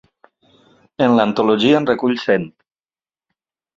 En l'antologia en recull cent.